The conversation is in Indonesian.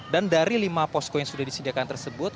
dan dari lima posko yang sudah disediakan tersebut